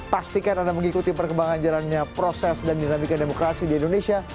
pastikan anda mengikuti perkembangan jalannya proses dan dinamika demokrasi di indonesia